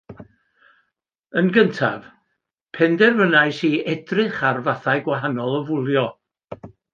Yn gyntaf, penderfynais i edrych ar fathau gwahanol o fwlio